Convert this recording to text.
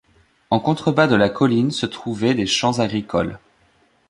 En contrebas de la colline se trouvaient des champs agricoles.